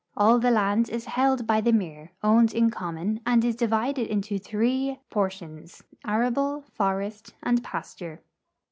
All the land is held by the mir, owned in common, and is divided into three })or tions — arable, forest, and pasture.